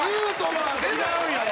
違うやろ！